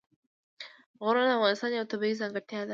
غرونه د افغانستان یوه طبیعي ځانګړتیا ده.